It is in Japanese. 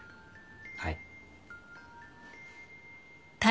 はい。